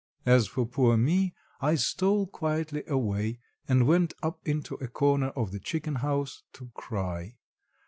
As for poor me,—I stole quietly away, and went up into a corner of the chicken house to cry.